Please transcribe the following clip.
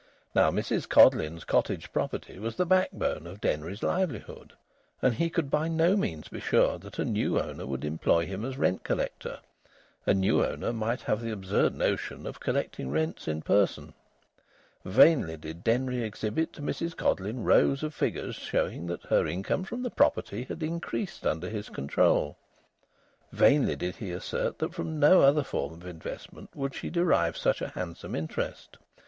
Now, Mrs Codleyn's cottage property was the back bone of Denry's livelihood, and he could by no means be sure that a new owner would employ him as rent collector. A new owner might have the absurd notion of collecting rents in person. Vainly did Denry exhibit to Mrs Codleyn rows of figures, showing that her income from the property had increased under his control. Vainly did he assert that from no other form of investment would she derive such a handsome interest.